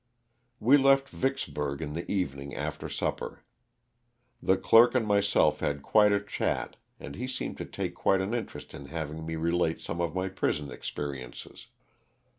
We left Yicksburg in the evening after supper. The clerk and myself had quite a chat and he seemed to take quite an interest in having me relate some of my prison experiences.